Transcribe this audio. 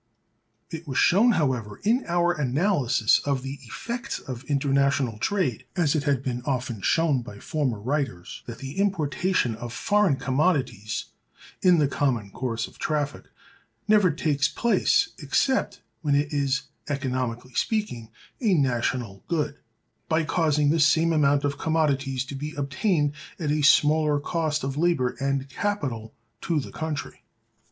It was shown, however, in our analysis of the effects of international trade, as it had been often shown by former writers, that the importation of foreign commodities, in the common course of traffic, never takes place except when it is, economically speaking, a national good, by causing the same amount of commodities to be obtained at a smaller cost of labor and capital to the country.